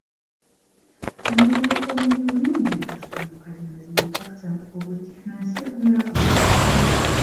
Мы, безусловно, не имеем в виду, что необходимо изменить акцент в области финансирования развития.